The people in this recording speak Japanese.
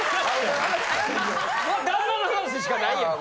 旦那の話しかないやん。